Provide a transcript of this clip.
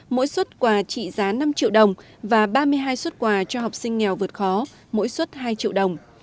mỗi xuất quà trị giá năm triệu đồng và ba mươi hai xuất quà cho học sinh nghèo vượt khó mỗi suất hai triệu đồng